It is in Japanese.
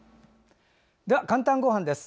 「かんたんごはん」です。